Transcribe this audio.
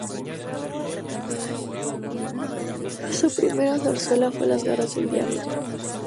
Su primera zarzuela fue "Las garras del diablo".